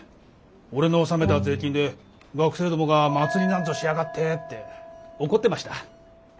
俺の納めた税金で学生どもが祭りなんぞしやがってって怒ってました。